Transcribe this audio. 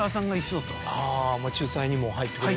仲裁にも入ってくれるし。